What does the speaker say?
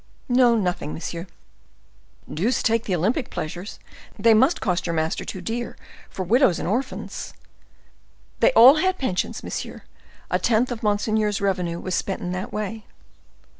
"No, nothing, monsieur." "Deuce take the Olympic pleasures! They must cost your master too dear; for widows and orphans—" "They all had pensions, monsieur; a tenth of monseigneur's revenue was spent in that way."